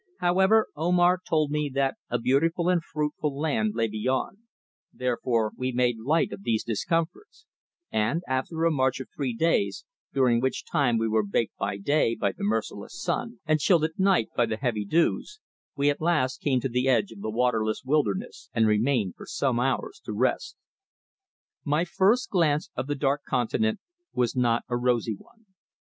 However, Omar told me that a beautiful and fruitful land lay beyond, therefore we made light of these discomforts, and, after a march of three days, during which time we were baked by day by the merciless sun and chilled at night by the heavy dews, we at last came to the edge of the waterless wilderness, and remained for some hours to rest. My first glimpse of the "Dark Continent" was not a rosy one.